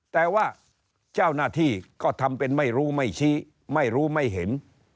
แต่ว่าเจ้าหน้าที่ก็ทำเป็นไม่รู้ไม่ชี้ไม่รู้ไม่เห็น